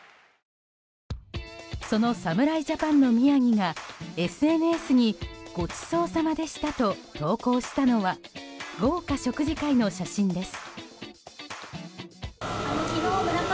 その侍ジャパンの宮城がＳＮＳにごちそうさまでしたと投稿したのは豪華食事会の写真です。